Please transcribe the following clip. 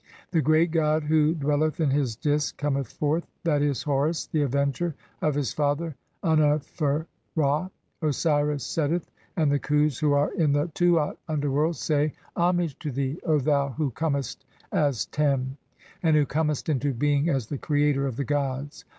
The great god who dwell "eth in his Disk cometh forth, that is, Horus the avenger of his "father, Unnefer Ra. (20) Osiris setteth, and the A7iz/[s] who are "in the Tuat (underworld) say : Homage to thee, O thou who "comest as Tem, and who comest into being as the creator of "the gods.